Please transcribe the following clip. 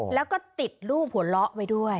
แล้วก็ติดรูปหัวเราะไว้ด้วย